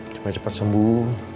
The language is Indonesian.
cuma cepat sembuh